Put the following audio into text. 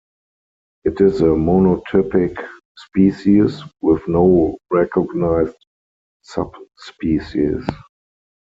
It is a monotypic species, with no recognised subspecies.